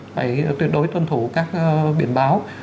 phải tuyệt đối tuân thủ các biển báo